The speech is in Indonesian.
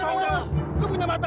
kayaknya masih bicara gitu